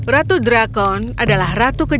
ratu drakon adalah ratu kecil